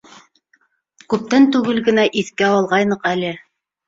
Күптән түгел генә иҫкә алғайныҡ әле.